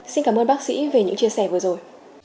xin cảm ơn bác sĩ về những chia sẻ vừa rồi